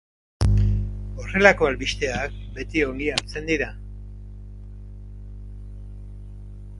Horrelako albisteak beti ongi hartzen dira.